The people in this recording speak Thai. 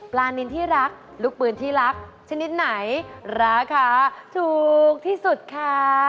นินที่รักลูกปืนที่รักชนิดไหนราคาถูกที่สุดคะ